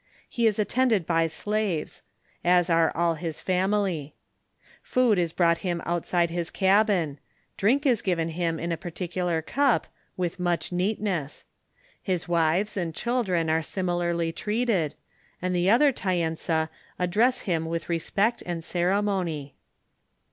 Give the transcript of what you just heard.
He is attended by slaves^ as are all his family. Food is brought him outside his cabin ; drink is given him in a particular cup, with much neatness. His wives and children are similarly treated, and the other Taensa address him with respect and ceremony.